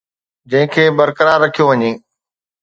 جنهن کي برقرار رکيو وڃي